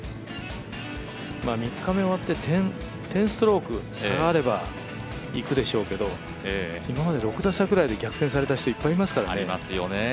３日目終わって１０ストローク差があればいくでしょうけど、今まで６打差くらいで逆転された人いっぱいいますからね。